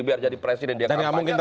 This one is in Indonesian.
biar jadi presiden dia mungkin